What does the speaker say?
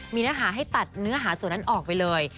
มีเนื้อหาให้ตัดเนื้อหาส่วนนั้นออกไปเลย